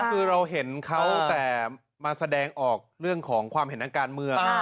คือเราเห็นเขาแต่มาแสดงออกเรื่องของความเห็นทางการเมือง